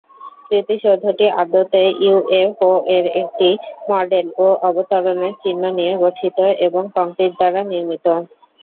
স্মৃতিসৌধটি আদতে ইউএফও এর একটি মডেল ও অবতরণের চিহ্ন নিয়ে গঠিত এবং কংক্রিট দ্বারা নির্মিত।